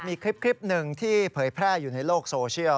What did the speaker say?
มีคลิปหนึ่งที่เผยแพร่อยู่ในโลกโซเชียล